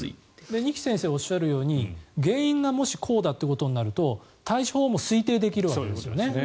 二木先生がおっしゃるように原因がこうだとなると対処法も推定できるわけです。